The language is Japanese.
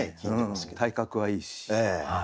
体格はいいし。